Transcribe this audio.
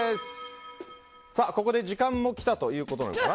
ここで時間も来たということです。